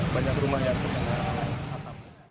banyak rumah yang terdapat